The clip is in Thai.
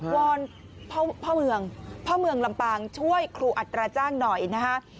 วอนพ่อเมืองพ่อเมืองลำปางช่วยครูอัตราจ้างหน่อยนะคะ